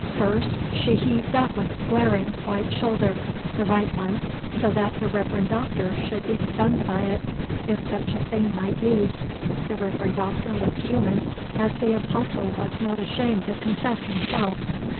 First she heaved up a glaring white shoulder, the right one, so that the Reverend Doctor should be stunned by it, if such a thing might be. The Reverend Doctor was human, as the Apostle was not ashamed to confess himself.